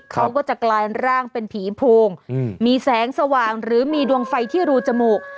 เขาก็จะกลายร่างเป็นผีโพงมีแสงสว่างหรือมีดวงไฟที่รูจมูก